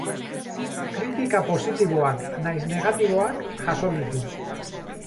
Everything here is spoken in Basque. Kritika positiboak nahiz negatiboak jaso ditu.